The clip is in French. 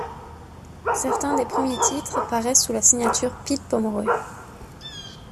Certains des premiers titres paraissent sous la signature Pete Pomeroy.